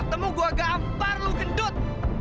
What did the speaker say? katemu gua gampar lu gendut